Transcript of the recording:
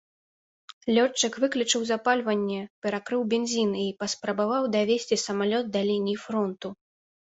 Лётчык выключыў запальванне, перакрыў бензін і паспрабаваў давесці самалёт да лініі фронту.